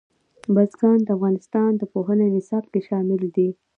بزګان د افغانستان د پوهنې نصاب کې شامل دي.